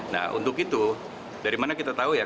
nah untuk itu dari mana kita tahu ya